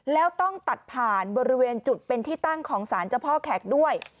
แล้วต้องตัดผ่านบริเวณจุดเป็นที่ตั้งของสารเจ้าพ่อแขกด้วย